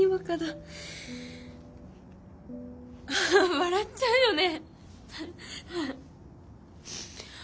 笑っちゃうよね！